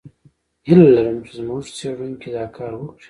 هیله لرم چې زموږ څېړونکي دا کار وکړي.